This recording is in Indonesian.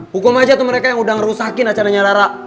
hukum aja tuh mereka yang udah ngerusakin acaranya rara